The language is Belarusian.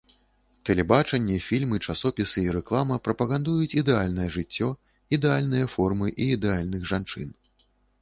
Тэлебачанне, фільмы, часопісы і рэклама прапагандуюць ідэальнае жыццё, ідэальныя формы і ідэальных жанчын.